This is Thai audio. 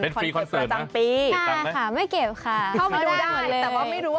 เป็นคอนเสิร์ตประจำปี